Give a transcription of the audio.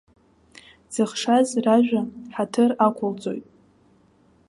Дзыхшаз ражәа ҳаҭыр ақәылҵоит.